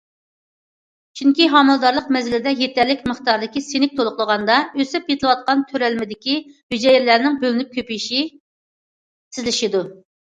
چۈنكى ھامىلىدارلىق مەزگىلىدە يېتەرلىك مىقداردىكى سىنك تولۇقلىغاندا، ئۆسۈپ يېتىلىۋاتقان تۆرەلمىدىكى ھۈجەيرىلەرنىڭ بۆلۈنۈپ كۆپىيىشى تېزلىشىدۇ.